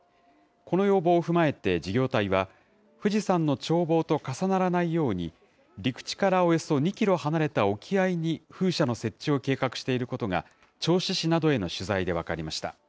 この要望を踏まえて事業体は、富士山の眺望と重ならないように、陸地からおよそ２キロ離れた沖合に風車の設置を計画していることが、銚子市などへの取材で分かりました。